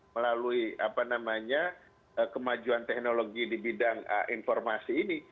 melalui kemajuan teknologi di bidang informasi ini